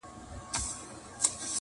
د ودانیو معمارانو ته ځي٫